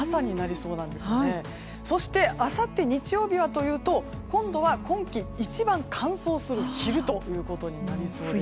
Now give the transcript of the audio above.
そしてあさって日曜日はというと今度は今季一番乾燥する昼ということになりそうです。